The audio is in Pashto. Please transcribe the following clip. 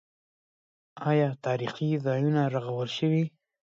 آیا تاریخي ځایونه رغول شوي؟